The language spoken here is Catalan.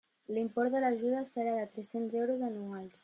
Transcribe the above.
L'import de l'ajuda serà de tres-cents euros anuals.